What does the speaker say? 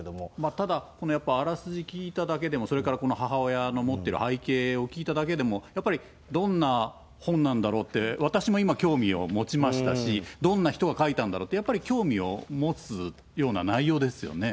ただ、やっぱりあらすじ聞いただけでも、それからこの母親の持ってる背景を聞いただけでも、やっぱりどんな本なんだろうって、私も今、興味を持ちましたし、どんな人が書いたんだろうって、やっぱり興味を持つような内容ですよね。